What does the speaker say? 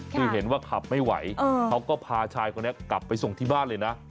คือเห็นว่าขับไม่ไหวเขาก็พาชายคนนี้กลับไปส่งที่บ้านเลยนะ